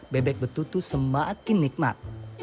bebek betutu semakin nikmat